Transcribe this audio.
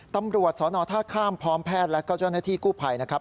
ตำรวจสนท่าข้ามพร้อมแพทย์และก็เจ้าหน้าที่กู้ภัยนะครับ